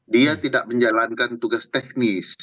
dia tidak menjalankan tugas teknis